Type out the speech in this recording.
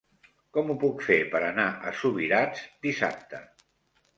Com ho puc fer per anar a Subirats dissabte?